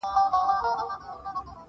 د صابرانو سره خدای ج ملګری وي -